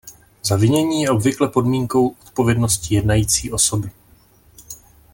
Zavinění je obvykle podmínkou odpovědnosti jednající osoby.